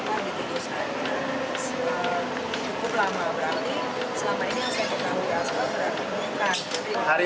hari ini kita melaporkan yang namanya gatot brajamusti